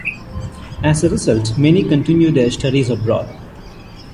As a result, many continue their studies abroad.